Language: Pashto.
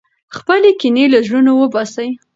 خپلې کینې له زړونو وباسئ.